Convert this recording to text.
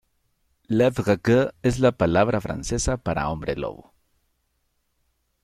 Loup-Garou es la palabra francesa para "hombre lobo".